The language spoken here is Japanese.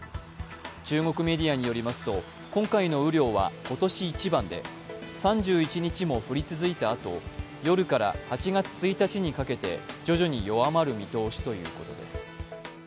中国メディアによりますと、今回の雨量は今年一番で、３１日も降り続いた後、夜から８月１日にかけて徐々に弱まる見通しということです。